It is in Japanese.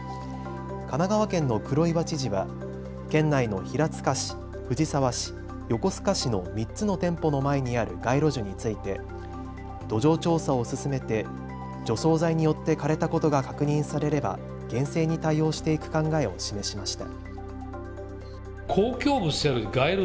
神奈川県の黒岩知事は県内の平塚市、藤沢市、横須賀市の３つの店舗の前にある街路樹について土壌調査を進めて除草剤によって枯れたことが確認されれば厳正に対応していく考えを示しました。